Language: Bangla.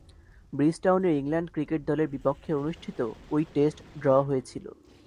ব্রিজটাউনে ইংল্যান্ড ক্রিকেট দলের বিপক্ষে অনুষ্ঠিত ঐ টেস্ট ড্র হয়েছিল।